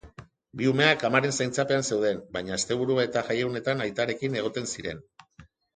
Bi umeak amaren zaintzapean zeuden, baina asteburu eta jaiegunetan aitarekin egoten ziren.